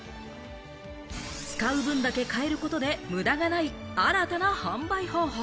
使う分だけ買える事で無駄がない新たな販売方法。